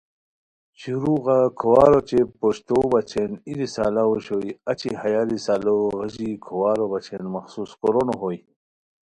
شروغہ کھوارو اوچے پشتو بچین ای رسالا اوشوئے اچی ہیہ رسالو غیژی کھوارو بچین مخصوس کورونو ہوئے